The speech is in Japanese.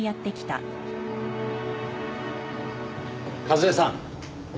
和江さん。